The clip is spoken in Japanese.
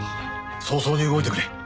早々に動いてくれ。